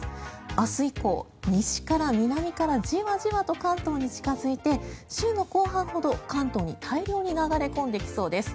明日以降、西から南からじわじわと関東に近付いて週の後半ほど関東に大量に流れ込んできそうです。